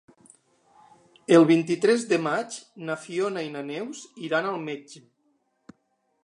El vint-i-tres de maig na Fiona i na Neus iran al metge.